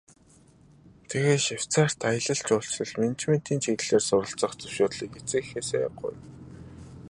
Тэгээд Швейцарьт аялал жуулчлал, менежментийн чиглэлээр суралцах зөвшөөрлийг эцэг эхээсээ гуйв.